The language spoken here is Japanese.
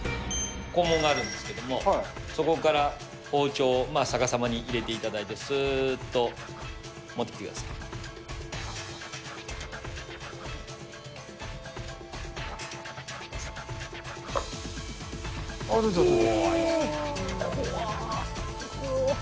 肛門があるんですけれども、そこから包丁をさかさまに入れていただいて、すーっと持ってきて取れた取れた。